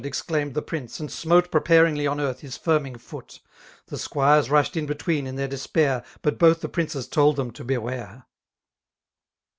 exclaimed the prince^ and smote Preparinglf on earth his firming foot :— The^quirea^ruAed in*il#ween« in their despidr; But both the princes told them to beware.